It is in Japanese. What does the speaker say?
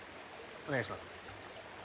お願いします。